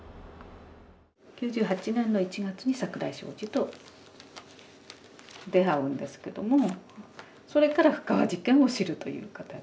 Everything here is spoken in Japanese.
９８年の１月に桜井昌司と出会うんですけどもそれから布川事件を知るという形で逆なんです私は。